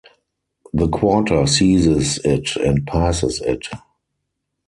The quarter seizes it and passes it.